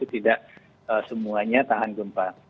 tidak semuanya tahan gempa